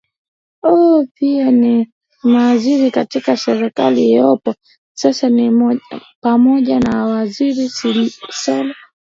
ao pia ni maziri katika serikali iliopo sasa ni pamoja na waziri zolo